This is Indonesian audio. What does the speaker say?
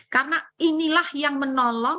karena inilah yang menolong